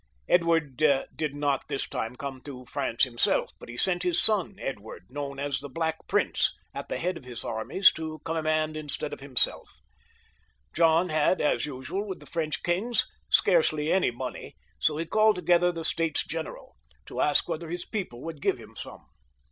Edward did not this time come to France himself, but he sent his son Edward, known as the Black Prince, at the head, of his armies, to command instead of him. John had, as usual with the French kings, scarcely any money, so he called together the States Gteneral, which I described in another chapter, to ask whether his people would give him some.